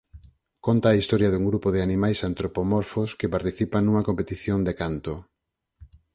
Conta a historia dun grupo de animais antropomorfos que participan nunha competición de canto.